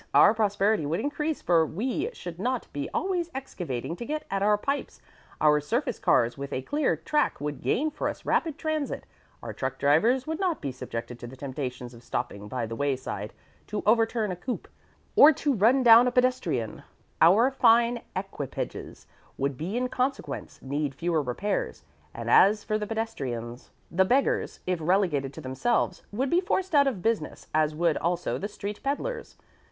Our prosperity would increase, for we should not be always excavating to get at our pipes; our surface cars with a clear track would gain for us rapid transit, our truck drivers would not be subjected to the temptations of stopping by the way side to overturn a coupé, or to run down a pedestrian; our fine equipages would in consequence need fewer repairs; and as for the pedestrians, the beggars, if relegated to themselves, would be forced out of business as would also the street peddlers.